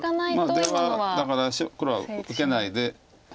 出はだから黒は受けないで。